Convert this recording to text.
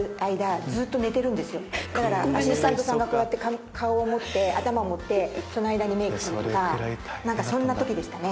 だからアシスタントさんがこうやって顔を持って頭を持ってその間にメイクするとかそんな時でしたね。